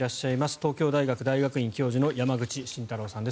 東京大学大学院教授の山口慎太郎さんです。